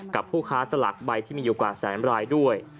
กับผู้ค้าสลากใบที่มีอยู่กว่าแสนรายด้วย